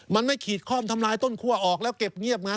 มันไม่ขีดคล่อมทำลายต้นคั่วออกแล้วเก็บเงียบไง